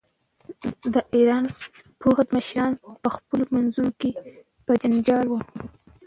د ایران پوځي مشران په خپلو منځونو کې په جنجال وو.